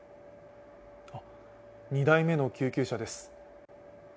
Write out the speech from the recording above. ２台目の救急車です。